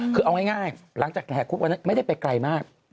คือเอาง่ายหลังจากแห่คุกวันนั้นไม่ได้ไปไกลมาก